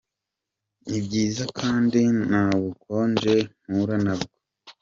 Ni byiza kandi ntabukonje mpura nabwo !».